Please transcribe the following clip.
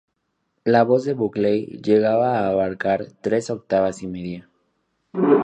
La voz de Buckley llegaba a abarcar tres octavas y media.